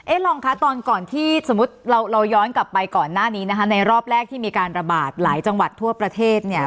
รองคะตอนก่อนที่สมมุติเราย้อนกลับไปก่อนหน้านี้นะคะในรอบแรกที่มีการระบาดหลายจังหวัดทั่วประเทศเนี่ย